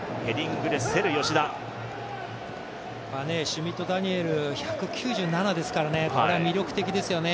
シュミット・ダニエル１９２ですからこれは魅力的ですよね